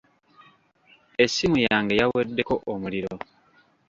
Essimu yange yaweddeko omuliro.